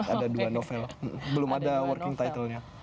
ada dua novel belum ada working title nya